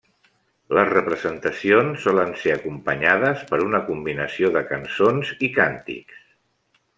Les representacions solen ser acompanyades per una combinació de cançons i càntics.